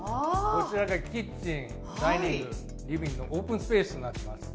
こちらがキッチン、ダイニング、リビングのオープンスペースになっています。